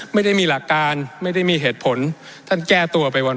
ไม่ได้มีหลักการไม่ได้มีเหตุผลท่านแก้ตัวไปวัน